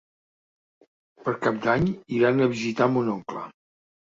Per Cap d'Any iran a visitar mon oncle.